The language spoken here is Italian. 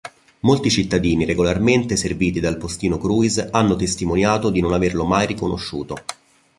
Molti cittadini regolarmente serviti dal postino Cruise hanno testimoniato di non averlo mai riconosciuto.